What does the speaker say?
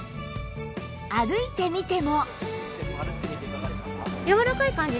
歩いてみても